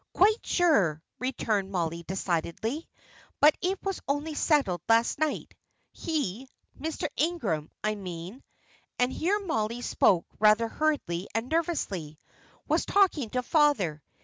"Quite sure," returned Mollie, decidedly; "but it was only settled last night. He Mr. Ingram, I mean" and here Mollie spoke rather hurriedly and nervously, "was talking to father.